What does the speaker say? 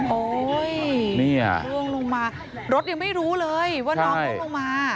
ล่วงลงมารถยังไม่รู้เลยว่าน้องร่วงลงมา